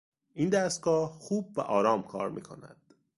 این دستگاه خوب و آرام کار میکند.